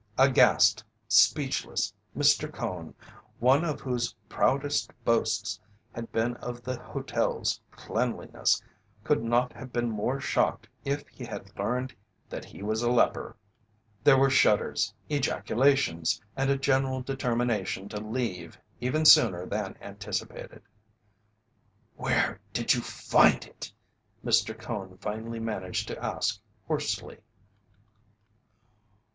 Aghast, speechless, Mr. Cone, one of whose proudest boasts had been of the hotel's cleanliness, could not have been more shocked if he had learned that he was a leper. There were shudders, ejaculations, and a general determination to leave even sooner than anticipated. "Where did you find it?" Mr. Cone finally managed to ask hoarsely.